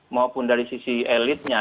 maupun dari sisi elitnya